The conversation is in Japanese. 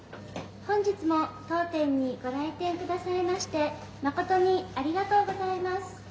本日も当店にご来店下さいましてまことにありがとうございます。